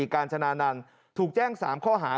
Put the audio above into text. การจนานันต์ถูกแจ้ง๓ข้อหา